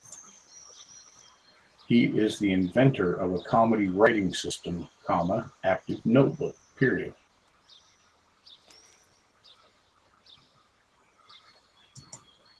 He is the inventor of a comedy writing system, Active Notebook.